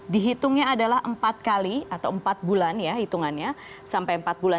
dihitungnya adalah empat kali atau empat bulan ya hitungannya sampai empat bulan